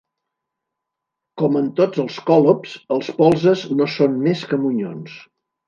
Com en tots els còlobs, els polzes no són més que monyons.